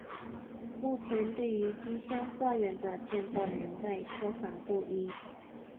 目前对于丁香花园的建造年代说法不一。